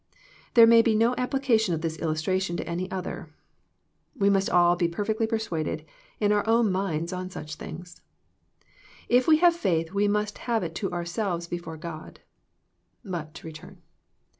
There may be no application of this illus tration to any other. We must all be perfectly persuaded in our own minds on such things. If we have faith we must have it to ourselves be fore God. But to return.